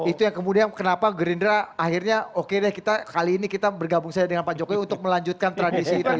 itu yang kemudian kenapa gerindra akhirnya oke deh kita kali ini kita bergabung saja dengan pak jokowi untuk melanjutkan tradisi itu